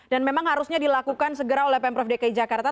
dan memang harusnya dilakukan segera oleh pemprov dki jakarta